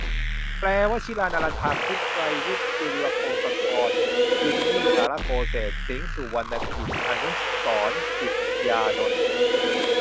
แปล : วชิรา นาลันทา คุปต์ ไกรวุฒิ จุลพงศธร จินนี่ สาระโกเศศ สิงห์ สุวรรณกิจ อนุสรณ์ ติปยานนท์